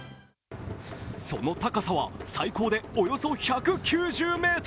その高さは最高でおよそ１９０ｍ。